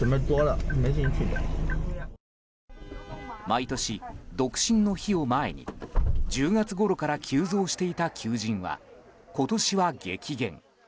毎年、独身の日を前に１０月ごろから急増していた求人は今年は激減。